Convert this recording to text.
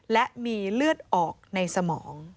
และมีเลือดออกในสมอง